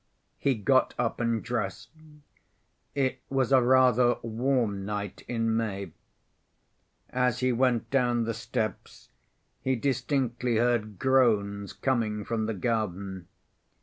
He got up and dressed. It was a rather warm night in May. As he went down the steps, he distinctly heard groans coming from the garden.